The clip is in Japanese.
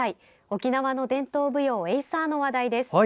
沖縄の伝統舞踊エイサーの話題です。